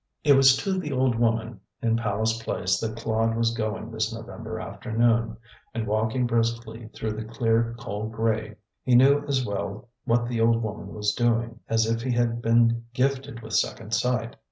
It was to the old woman in Palace Place that Claude was going this November afternoon, and walking briskly through the clear, cold grey, he knew as well what the old woman was doing as if he had been gifted with second sight.